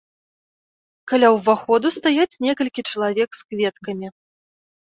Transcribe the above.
Каля ўваходу стаяць некалькі чалавек з кветкамі.